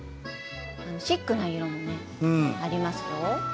シックな色もありますよ。